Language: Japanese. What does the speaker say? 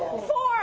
そう。